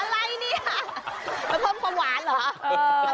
อะไรเนี่ยมาเพิ่มความหวานเหรอ